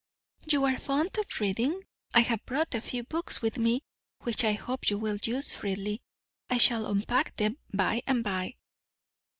"You are fond of reading? I have brought a few books with me, which I hope you will use freely. I shall unpack them by and by."